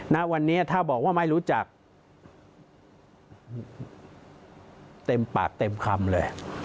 ณวันนี้ถ้าบอกว่าไม่รู้จักเต็มปากเต็มคำเลย